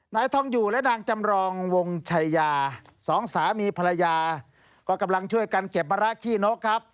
นายทองอยู่และนางจำรองวงชัยยาสองสามีภรรยาก็กำลังช่วยกันเก็บมะระขี้นกครับ